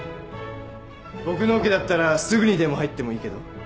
僕のオケだったらすぐにでも入ってもいいけど。